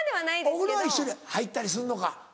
お風呂は一緒に入ったりするのか。